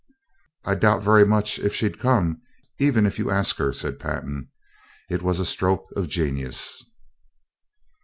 "I doubt very much if she'd come, even if you ask her," said Pantin. It was a stroke of genius.